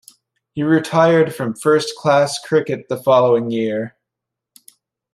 He retired from first-class cricket the following year.